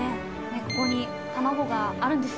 ここに卵があるんですよ。